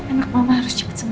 anak mama harus jelasin